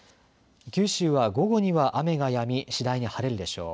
九州は午後には雨がやみ次第に晴れるでしょう。